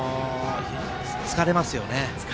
疲れますよね。